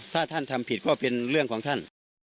ถ้าท่านทำผิดก็เป็นเรื่องของท่าน